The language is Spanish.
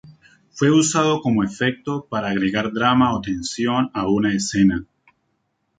Fue usado como efecto para agregar drama o tensión a una escena.